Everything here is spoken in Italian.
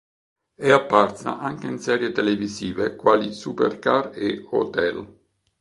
È apparsa anche in serie televisive quali "Supercar" e "Hotel".